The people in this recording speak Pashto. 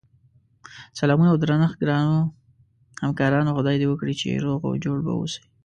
سلامونه اودرنښت ګراونوهمکارانو خدای دی وکړی چی روغ اوجوړبه اووسی